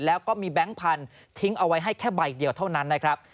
แล้วก็มีแบงค์พันธุ์ทิ้งเอาไว้ให้แค่ใบเดียวเท่านั้นนะครับ